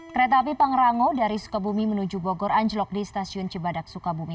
kereta api pangrango dari sukabumi menuju bogor anjlok di stasiun cibadak sukabumi